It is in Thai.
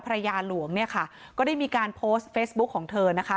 ภรรยาหลวงเนี่ยค่ะก็ได้มีการโพสต์เฟซบุ๊คของเธอนะคะ